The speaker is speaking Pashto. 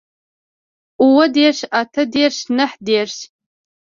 اووه دېرش اتۀ دېرش نهه دېرش